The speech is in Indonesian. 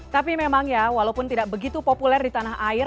tapi memang ya walaupun tidak begitu populer di tanah air